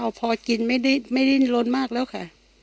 อ้าวพอกินไม่ได้ไม่ได้ล้นมากแล้วค่ะ